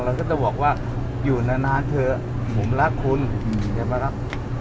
เราก็จะบอกว่าอยู่นานเถอะผมรักคุณใช่ไหมครับ